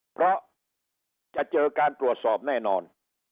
เพราะจะเจอการตรวจสอบแน่นอน